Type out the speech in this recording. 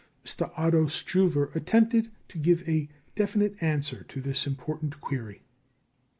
M. Otto Struve attempted to give a definite answer to this important query.